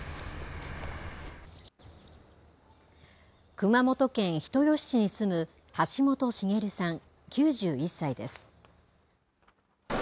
熊本県人吉市に住む橋本茂さん９１歳です。